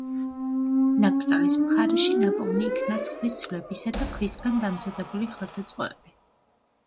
ნაკრძალის მხარეში ნაპოვნი იქნა ცხვრის ძვლებისა და ქვისგან დამზადებული ხელსაწყოები.